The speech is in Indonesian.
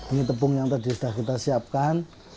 ini tepung yang tadi sudah kita siapkan